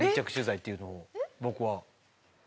僕は。